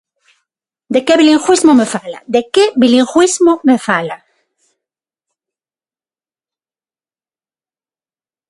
¿De que bilingüismo me fala?, ¿de que bilingüismo me fala?